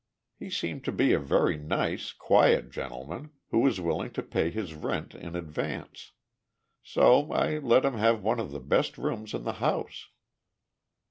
He seemed to be a very nice, quiet gentleman, who was willing to pay his rent in advance. So I let him have one of the best rooms in the house."